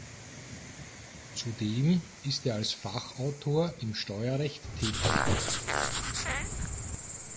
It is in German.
Zudem ist er als Fachautor im Steuerrecht tätig.